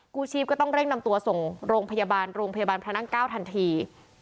กู้ชีพก็ต้องเร่งนำตัวส่งโรงพยาบาลโรงพยาบาลพระนั่ง๙ทันที